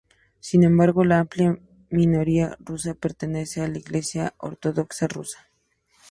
Sin embargo, la amplia minoría rusa pertenece a la Iglesia ortodoxa rusa.